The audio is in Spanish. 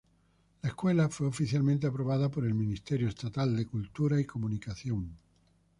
La escuela fue oficialmente aprobada por el Ministerio Estatal de Cultura y Comunicación.